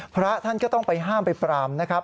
พระท่านก็ต้องไปห้ามไปปรามนะครับ